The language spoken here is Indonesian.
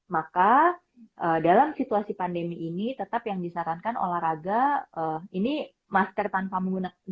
maka dalam situasi pandemi ini tetap yang disarankan olahraga ini masker tanpa menggunakan